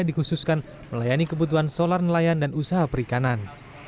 dikhususkan melayani kebutuhan solar nelayan dan usaha perikanan